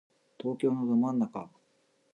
東京のど真ん中